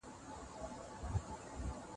د صحي خدماتو ته لاسرسی اړین دی.